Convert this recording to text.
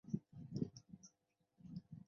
小樽港进入了战前的全盛时期。